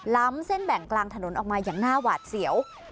ล้ำเส้นแบ่งกลางถนนออกมาอย่างน่าหวาดเสียว